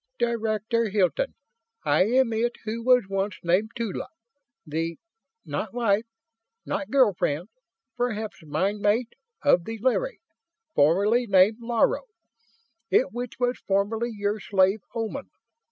"Director Hilton, I am it who was once named Tula, the not wife, not girl friend, perhaps mind mate? of the Larry, formerly named Laro, it which was formerly your slave Oman.